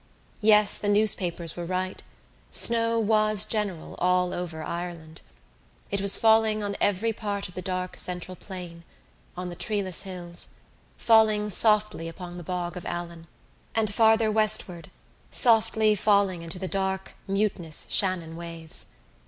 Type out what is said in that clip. Yes, the newspapers were right: snow was general all over Ireland. It was falling on every part of the dark central plain, on the treeless hills, falling softly upon the Bog of Allen and, farther westward, softly falling into the dark mutinous Shannon waves.